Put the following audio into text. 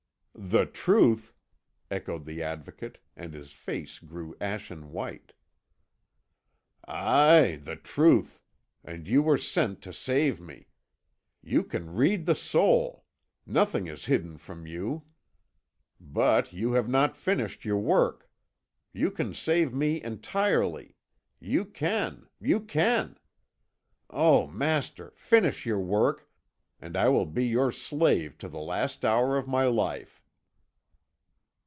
"The truth!" echoed the Advocate, and his face grew ashen white. "Aye, the truth and you were sent to save me. You can read the soul; nothing is hidden from you. But you have not finished your work. You can save me entirely you can, you can! Oh, master, finish your work, and I will be your slave to the last hour of my life!"